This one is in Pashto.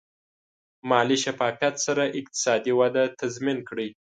مالي شفافیت سره اقتصادي وده تضمین کړئ.